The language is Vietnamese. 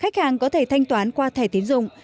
khách hàng có thể thanh toán qua thẻ tiến dụng